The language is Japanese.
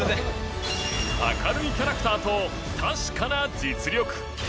明るいキャラクターと確かな実力。